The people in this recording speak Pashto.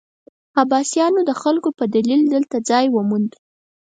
عباسیانو د خلکو په دلیل دلته ځای وموند.